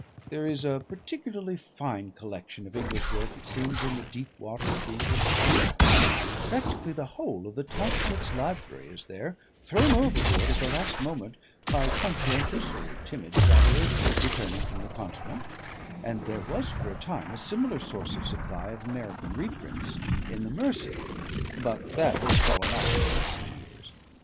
There is a particularly fine collection of English work, it seems, in the deep water of the English Channel; practically the whole of the Tauchnitz Library is there, thrown overboard at the last moment by conscientious or timid travellers returning from the continent, and there was for a time a similar source of supply of American reprints in the Mersey, but that has fallen off in recent years.